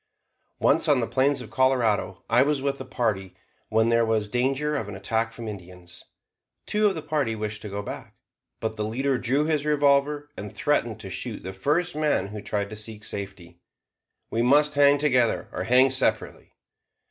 Once, on the plains of Colorado, I was with a party when there was danger of an attack from Indians. Two of the party wished to go back; but the leader drew his revolver and threatened to shoot the first man who tried to seek safety. "We must hang together or hang separately."